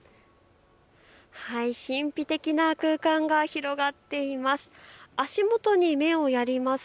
神秘的な空間が広がっています。